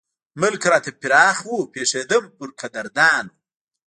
ملک راته فراخ وو پېښېدم پۀ قدردانو